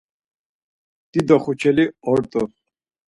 Dido xuçeli ort̆u.